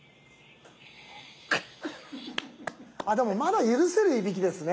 でもまだ許せるいびきですね。